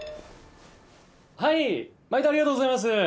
はい毎度ありがとうございます。